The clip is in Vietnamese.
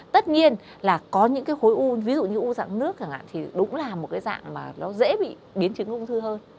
tất nhiên là có những cái khối u ví dụ như u dạng nước chẳng hạn thì đúng là một cái dạng mà nó dễ bị biến chứng ung thư hơn